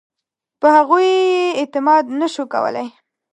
په هغوی یې اعتماد نه شو کولای.